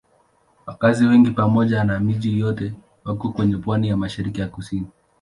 Wakazi wengi pamoja na miji yote wako kwenye pwani ya mashariki na kusini.